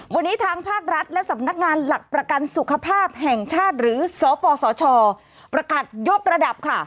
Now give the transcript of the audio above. วันนี้ทางภาครัฐและสำนักงานหลักประกันสุขภาพแห่งชาติหรือสปสชประกาศยกระดับค่ะ